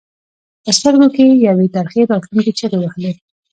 په سترګو کې یې یوې ترخې راتلونکې چغې وهلې.